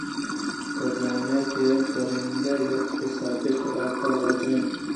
تو زانئے کہ کارندہ یک حسابے ءَ قلاتءِ واجہ اَنت